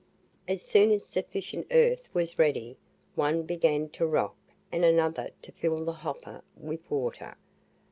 As soon as sufficient earth was ready, one began to rock, and another to fill the hopper with water.